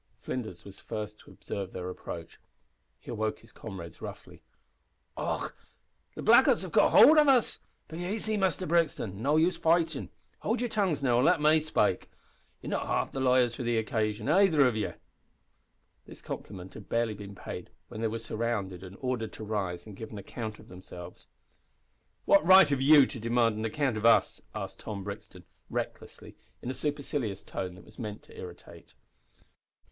Flinders was first to observe their approach. He awoke his comrades roughly. "Och! the blackguards have got howld of us. Be aisy, Muster Brixton. No use fightin'. Howld yer tongues, now, an' let me spake. Yer not half liars enough for the occasion, aither of ye." This compliment had barely been paid when they were surrounded and ordered to rise and give an account of themselves. "What right have you to demand an account of us?" asked Tom Brixton, recklessly, in a supercilious tone that was meant to irritate.